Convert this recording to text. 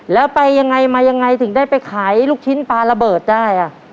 แล้วไปยังไงมายังไงถึงได้ไปขายลูกชิ้นปลาระเบิดได้